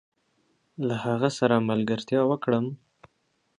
له هغه سره ملګرتيا وکړم؟